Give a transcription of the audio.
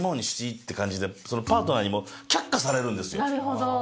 なるほど。